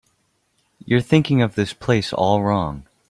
You're thinking of this place all wrong.